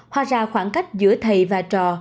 hóa ra khoảng cách giữa thầy và trò